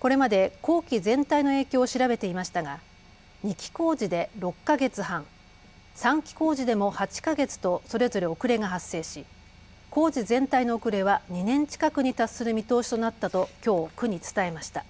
これまで工期全体の影響を調べていましたが２期工事で６か月半、３期工事でも８か月とそれぞれ遅れが発生し工事全体の遅れは２年近くに達する見通しとなったときょう区に伝えました。